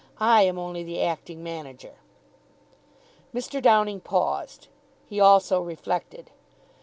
I am only the acting manager." Mr. Downing paused. He also reflected.